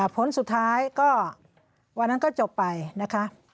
ผลสุดท้ายก็วันนั้นก็จบไปนะคะ